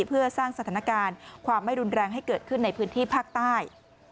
เพื่อสร้างสถานการณ์ความไม่รุนแรงให้เกิดขึ้นในพื้นที่ภาคใต้